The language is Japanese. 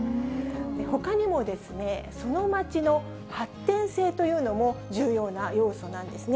ほかにも、その街の発展性というのも、重要な要素なんですね。